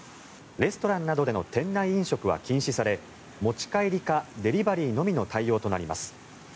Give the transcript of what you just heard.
レストランなどでの店内飲食は禁止され持ち帰りかデリバリーのみの対応となります。